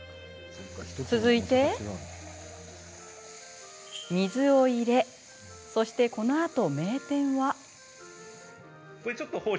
続いて、水を入れそしてこのあと、名店は。